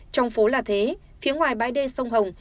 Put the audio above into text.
trong phố là thế phía ngoài bãi đê sông hồng